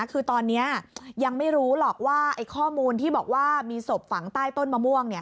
คือตอนนี้ยังไม่รู้หรอกว่าข้อมูลที่บอกว่ามีศพฝังใต้ต้นมะม่วง